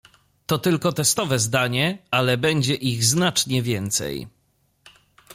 to tylko testowe zdanie ale będzie ich znacznie więcej